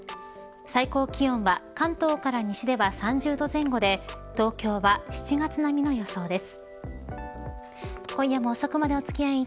最高気温は、関東から西では３０度前後で東京は７月並みの予想です。